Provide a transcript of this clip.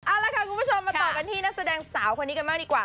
เอาละค่ะคุณผู้ชมมาต่อกันที่นักแสดงสาวคนนี้กันบ้างดีกว่า